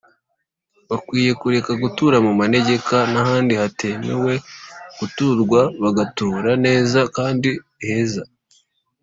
Bakwiye kureka gutura mu manegeka n’ahandi hatemewe guturwa bagatura neza kandi heza